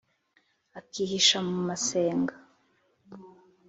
akihisha mu masenga.